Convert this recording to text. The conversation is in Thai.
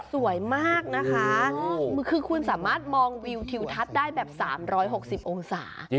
สวยมากนะคะคือคุณสามารถมองวิวทิวทัศน์ได้แบบ๓๖๐องศา